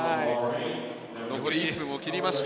残り１分を切りました。